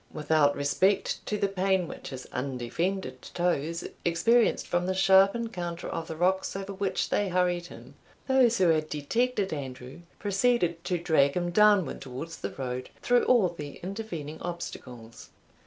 Without respect to the pain which his undefended toes experienced from the sharp encounter of the rocks over which they hurried him, those who had detected Andrew proceeded to drag him downward towards the road through all the intervening obstacles.